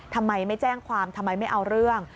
ทำไมไม่แจ้งความทำไมไม่เอาเรื่อง